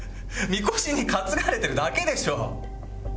みこしに担がれてるだけでしょ。